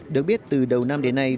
được biết từ đầu năm đến nay